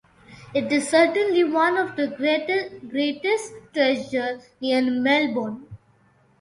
It is certainly one of the greatest 'treasures' near Melbourne.